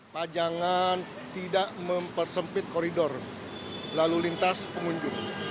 pajangan tidak mempersempit koridor lalu lintas pengunjung